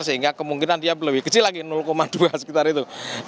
sehingga kemungkinan dia lebih kecil lagi dua sekitar itu